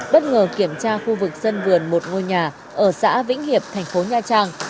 bất ngờ kiểm tra khu vực sân vườn một ngôi nhà ở xã vĩnh hiệp tp nha trang